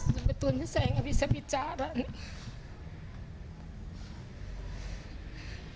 sebetulnya saya nggak bisa bicara nih